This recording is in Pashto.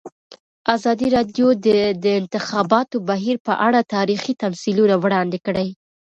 ازادي راډیو د د انتخاباتو بهیر په اړه تاریخي تمثیلونه وړاندې کړي.